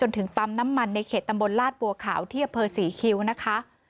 ถึงปั๊มน้ำมันในเขตตำบลลาดบัวขาวที่อำเภอศรีคิวนะคะ